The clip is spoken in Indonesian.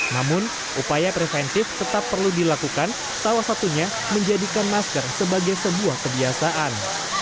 namun upaya preventif tetap perlu dilakukan salah satunya menjadikan masker sebagai sebuah kebiasaan